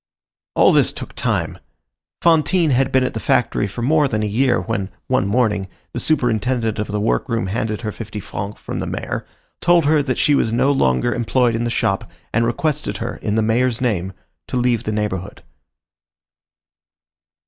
All this took time. Fantine had been at the factory for more than a year, when, one morning, the superintendent of the workroom handed her fifty francs from the mayor, told her that she was no longer employed in the shop, and requested her, in the mayor's name, to leave the neighborhood.